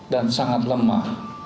dan sangat lemah